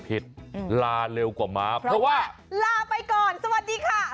ลาเร็วกว่าม้าเพราะว่าลาไปก่อนสวัสดีค่ะ